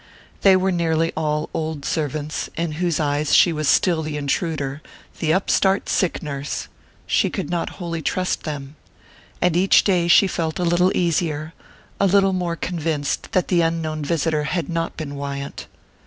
They were nearly all old servants, in whose eyes she was still the intruder, the upstart sick nurse she could not wholly trust them. And each day she felt a little easier, a little more convinced that the unknown visitor had not been Wyant.